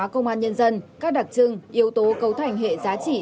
các đặc trưng yếu tố cấu thành hệ giá trị